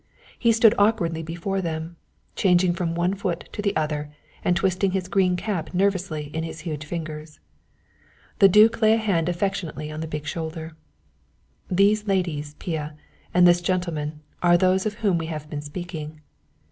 He stood awkwardly before them, changing from one foot to the other and twisting his green cap nervously in his huge fingers. The duke laid a hand affectionately on the big shoulder. "These ladies, Pia, and this gentleman, are those of whom we have been speaking."